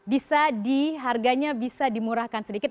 bisa di harganya bisa dimurahkan sedikit